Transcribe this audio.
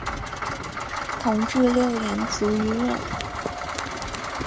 同治六年卒于任。